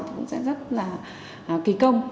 thì cũng sẽ rất là kỳ công